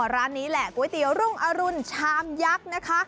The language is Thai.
ร้านนี้แหละก๋วยเตี๋ยวรุ่งอรุณชามยักษ์นะคะ